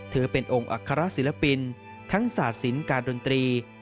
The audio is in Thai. เธอเป็นองค์อัครศิลปินทั้งศาศิลป์การดนตรี